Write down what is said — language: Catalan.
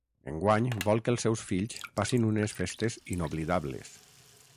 Enguany vol que els seus fills passin unes festes inoblidables.